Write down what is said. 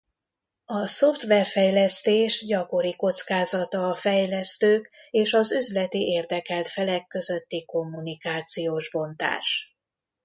A szoftverfejlesztés gyakori kockázata a fejlesztők és az üzleti érdekelt felek közötti kommunikációs bontás.